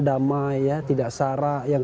damai tidak sarak yang